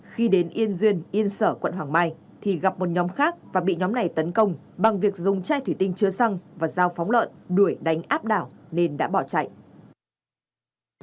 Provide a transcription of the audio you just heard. khi đến yên duyên yên sở quận hoàng mai thì gặp một nhóm khác và bị nhóm này tấn công bằng việc dùng chai thủy tinh chứa xăng và dao phóng lợn đuổi đánh áp đảo nên đã bỏ chạy